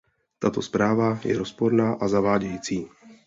Tato zpráva je rozporná a zavádějící.